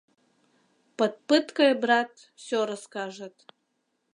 Под пыткой, брат, все расскажет.